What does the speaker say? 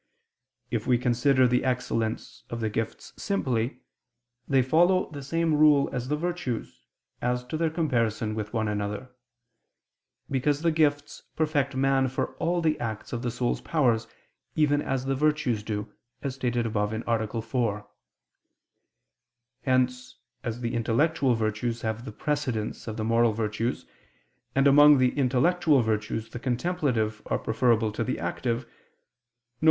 If we consider the excellence of the gifts simply, they follow the same rule as the virtues, as to their comparison one with another; because the gifts perfect man for all the acts of the soul's powers, even as the virtues do, as stated above (A. 4). Hence, as the intellectual virtues have the precedence of the moral virtues, and among the intellectual virtues, the contemplative are preferable to the active, viz.